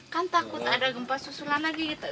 kan takut ada gempa susulan lagi gitu